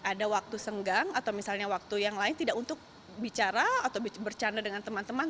ada waktu senggang atau misalnya waktu yang lain tidak untuk bicara atau bercanda dengan teman teman